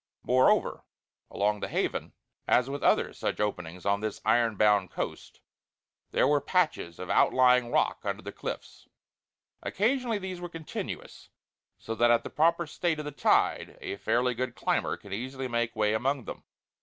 Moreover, along the Haven, as with other such openings on this iron bound coast, there were patches of outlying rock under the cliffs. Occasionally these were continuous, so that at the proper state of the tide a fairly good climber could easily make way along them.